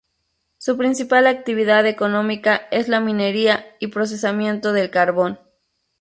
Su principal actividad económica es la minería y procesamiento del carbón.